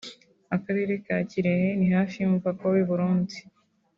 akarere ka Kirehe ni hafi y’umupaka w’u Burundi